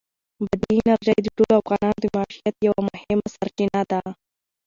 بادي انرژي د ټولو افغانانو د معیشت یوه مهمه سرچینه ده.